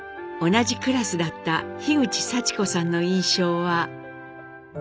同じクラスだった口早知子さんの印象は。